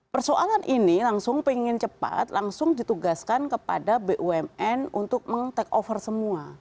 persoalan ini langsung pengen cepat langsung ditugaskan kepada bumn untuk meng take over semua